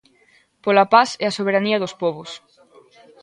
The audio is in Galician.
Pola paz e a soberanía dos pobos.